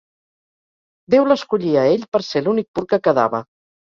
Déu l'escollí a ell per ser l'únic pur que quedava.